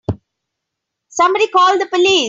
Somebody call the police!